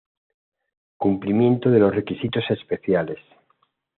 Cumplimiento de los requisitos especiales.